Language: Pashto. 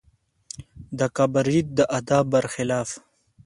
د کبریت د ادعا برخلاف.